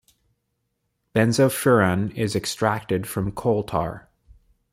Benzofuran is extracted from coal tar.